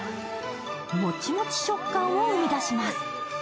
もちもち食感を生み出します。